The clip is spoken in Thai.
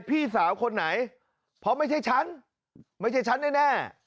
พี่สาวคนไหนเพราะไม่ใช่ฉันไม่ใช่ฉันแน่